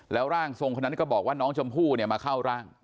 แล้วร่างทรงคนนั้นก็บอกว่าน้องชมพู่มาเข้าร่าง